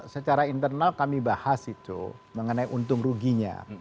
secara internal kami bahas itu mengenai untung ruginya